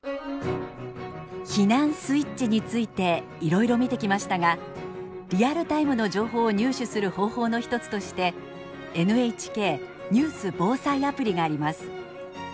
避難スイッチについていろいろ見てきましたがリアルタイムの情報を入手する方法の一つとしてＮＨＫニュース防災アプリがあります。